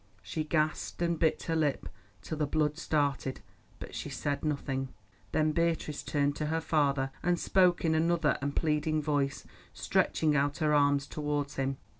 She gasped and bit her lip till the blood started, but she said nothing. Then Beatrice turned to her father, and spoke in another and a pleading voice, stretching out her arms towards him.